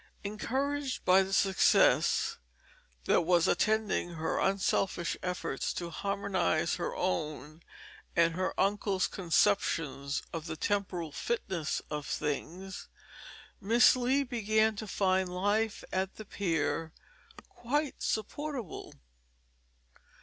Encouraged by the success that was attending her unselfish efforts to harmonize her own and her uncle's conceptions of the temporal fitness of things, Miss Lee began to find life at the Pier quite supportable.